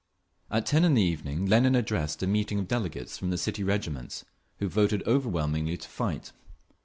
At ten in the evening Lenin addressed a meeting of delegates from the city regiments, who voted overwhelmingly to fight.